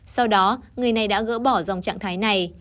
sau đó người này đã gỡ bỏ dòng trạng thái này